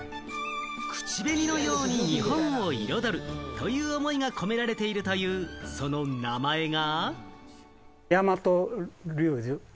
「口紅のように日本を彩る」という思いが込められているというその名前が。